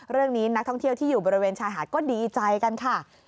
เรื่องนี้นักท่องเที่ยวที่อยู่บริเวณชายหาดก็ดีใจกันค่ะ